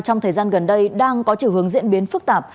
trong thời gian gần đây đang có chiều hướng diễn biến phức tạp